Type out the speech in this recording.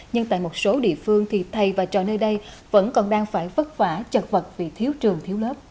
nhưng tại một số địa phương thì thầy và trò nơi đây vẫn còn đang phải vất vả trật vật vì thiếu trường thiếu lớp